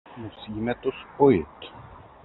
Musíme to spojit.